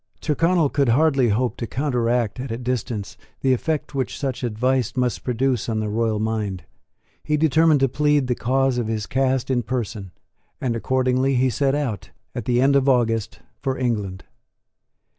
Tyrconnel could hardly hope to counteract at a distance the effect which such advice must produce on the royal mind. He determined to plead the cause of his caste in person; and accordingly he set out, at the end of August, for England.